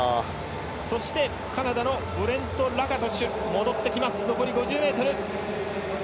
そして、カナダのブレント・ラカトシュ戻ってきました。